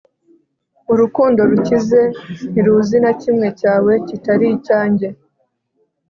urukundo rukize ntiruzi na kimwe 'cyawe kitari icyanjye